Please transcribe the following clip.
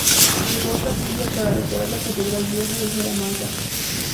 Llegó a Castilla para decorar la Catedral Vieja de Salamanca.